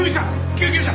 救急車！